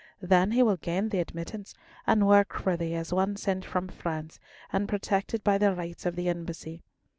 Then he will gain thee admittance, and work for thee as one sent from France, and protected by the rights of the Embassy.